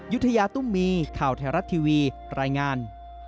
ยุธยาตุ้มมีข่าวไทยรัฐทีวีรายงาน